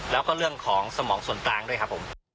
แล้วก็เรื่องของสมองส่วนกลางด้วยครับผม